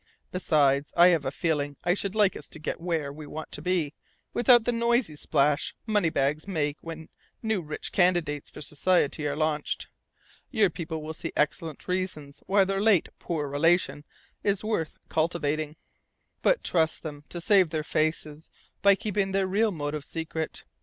Besides, I have a feeling I should like us to get where we want to be, without the noisy splash money bags make when new rich candidates for society are launched. Your people will see excellent reasons why their late 'poor relation' is worth cultivating. "But trust them to save their faces by keeping their real motive secret!"